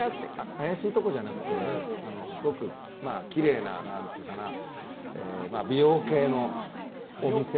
怪しいところじゃなくてすごくきれいな美容系のお店。